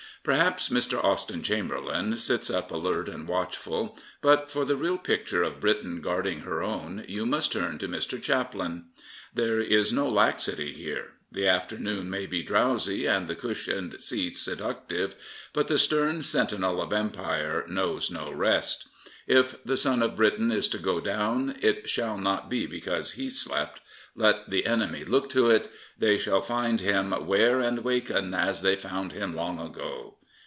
Perhaps Mr. Austen Chamberlain sits up alert and watchful; but for the real picture of Britain guarding her own you must turn to Mr. Chaplin. There is no laxity here. The afternoon may be drowsy and the cushioned seats se duc tive; but the stern sentinel of Empire knows no rest. If the sun of Britain is to go down it shall not be because he slept. Let the enemy look to it : They shall find him 'ware and wakin', As they found him long ago.